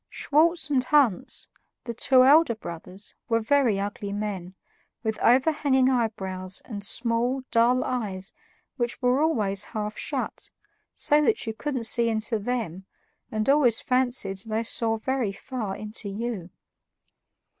Schwartz and Hans, the two elder brothers, were very ugly men, with overhanging eyebrows and small, dull eyes which were always half shut, so that you couldn't see into THEM and always fancied they saw very far into YOU.